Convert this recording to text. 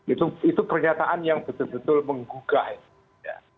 itu pernyataan yang betul betul menggugah ya